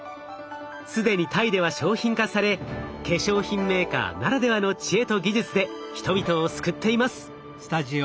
既にタイでは商品化され化粧品メーカーならではの知恵と技術で人々を救っています。